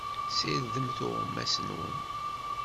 Sirdem tuɣmas-nwen!